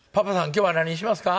今日は何にしますか？」